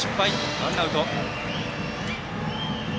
ワンアウト。